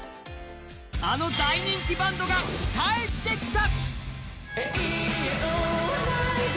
あの大人気バンドが帰ってきた！